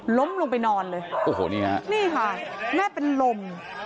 หลมลงไปนอนเลยโอ้โหทีเหรอครับนี่ค่ะแม่เป็นหลม